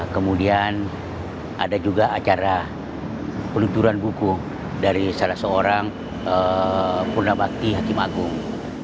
kemudian ada juga acara peluncuran buku dari salah seorang purnabakti hakim agung